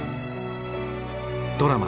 ドラマ